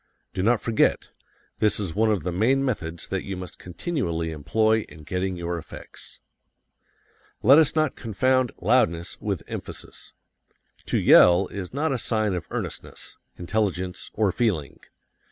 Do not forget: this is one of the main methods that you must continually employ in getting your effects. Let us not confound loudness with emphasis. To yell is not a sign of earnestness, intelligence, or feeling.